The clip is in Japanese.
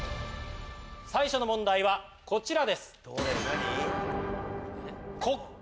最初の問題はこちらです。